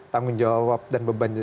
tanggung jawab dan beban